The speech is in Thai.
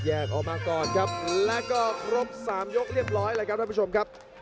ออกมาก่อนครับแล้วก็ครบ๓ยกเรียบร้อยแล้วครับท่านผู้ชมครับ